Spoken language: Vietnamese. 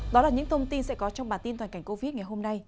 đó là những thông tin sẽ có trong bản tin toàn cảnh covid ngày hôm nay